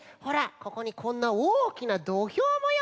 ここにこんなおおきなどひょうもよういしました！